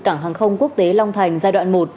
cảng hàng không quốc tế long thành giai đoạn một